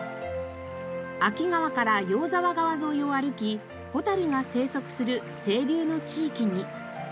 秋川から養沢川沿いを歩き蛍が生息する清流の地域に。